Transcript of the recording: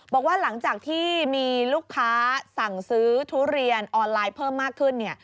บอกว่าหลังจากที่มีลูกค้าสั่งซื้อทุเรียนออนไลน์เพิ่มมากขึ้นเนี่ย